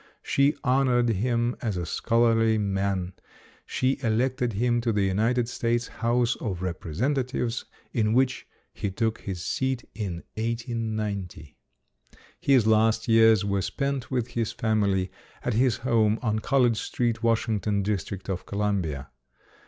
She honored him as a scholar ly man. She elected him to the United States House of Representatives, in which he took his seat in 1890. His last years were spent with his family at his home on College Street, Washington, District of Columbia.